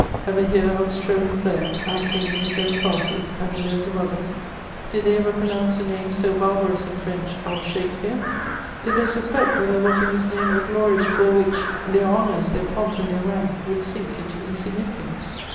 ever hear of a strolling player, acting in his own &rces and in those of others ? Did they ever pronounce the name, so barbarous in French, of Shakspeare ? Did they sus Eect that there was in this name a glory before which their onours, their pomp, and their rank, would sink into insignifi cance